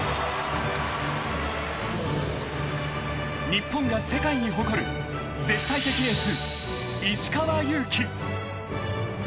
［日本が世界に誇る絶対的エース］